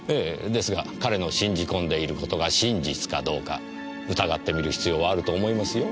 ですが彼の信じ込んでいることが真実かどうか疑ってみる必要はあると思いますよ。